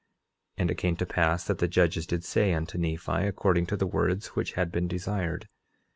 11:9 And it came to pass that the judges did say unto Nephi, according to the words which had been desired.